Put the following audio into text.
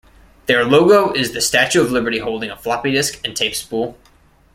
Their logo is the Statue of Liberty holding a floppy disk and tape spool.